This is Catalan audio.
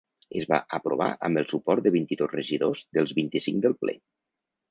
Es va aprovar amb el suport de vint-i-dos regidors dels vint-i-cinc del ple.